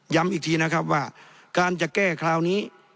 อีกทีนะครับว่าการจะแก้คราวนี้